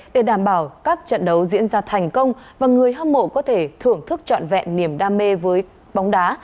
để đảm bảo các trận đấu diễn ra thành công và người hâm mộ có thể thưởng thức trọn vẹn niềm đam mê với bóng đá